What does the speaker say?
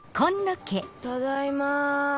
ただいま。